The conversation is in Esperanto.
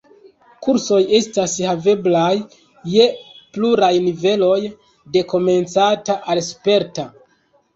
Kursoj estas haveblaj je pluraj niveloj, de komencanta al sperta.